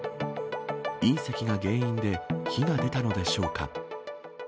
隕石が原因で火が出たのでしょうか。